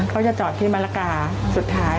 เขาจะจอดที่มะละกาสุดท้าย